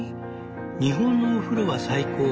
日本のお風呂は最高。